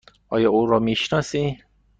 آیا او را می شناسی؟